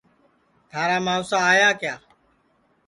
تھارا ماوسا آئیا کیا